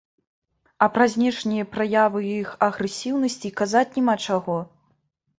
А пра знешнія праявы іх агрэсіўнасці і казаць няма чаго!